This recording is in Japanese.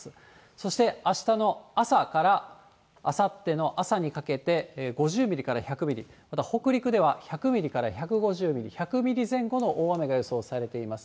そしてあしたの朝からあさっての朝にかけて５０ミリから１００ミリ、また北陸では１００ミリから１５０ミリ、１００ミリ前後の大雨が予想されています。